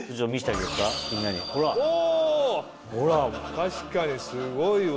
確かにすごいわ。